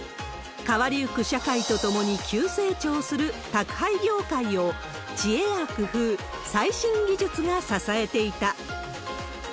変わりゆく社会とともに急成長する宅配業界を、知恵や工夫、最新技術が支えていた。